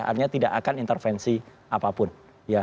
artinya tidak akan intervensi apapun